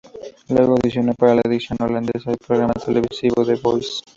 Luego audicionó para la edición holandesa del programa televisivo The Voice.